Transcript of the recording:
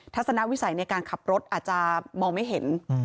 ทศนวิสัยในการขับรถอาจจะมองไม่เห็น